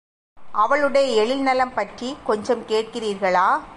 அவளுடைய எழில் நலம்பற்றிக் கொஞ்சம் கேட்கிறீர்களா?